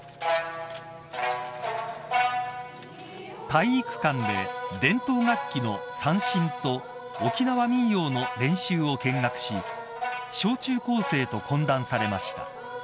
［体育館で伝統楽器の三線と沖縄民謡の練習を見学し小中高生と懇談されました］